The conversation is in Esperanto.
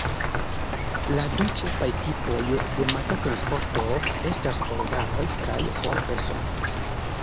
La du ĉefaj tipoj de mata transporto estas por varoj kaj por personoj.